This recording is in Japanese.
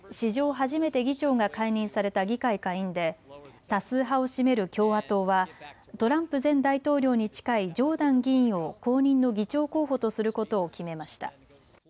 初めて議長が解任された議会下院で多数派を占める共和党はトランプ前大統領に近いジョーダン議員を後任の議長候補とすることを決めました。